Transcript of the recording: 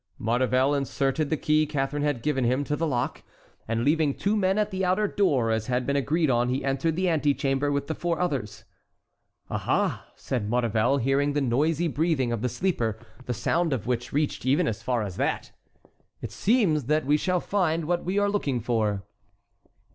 Maurevel inserted the key Catharine had given him into the lock, and leaving two men at the outer door, as had been agreed on, he entered the antechamber with the four others. "Ah! ah!" said Maurevel, hearing the noisy breathing of the sleeper, the sound of which reached even as far as that, "it seems that we shall find what we are looking for."